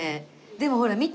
でもほら見て。